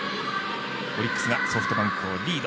オリックスがソフトバンクをリード。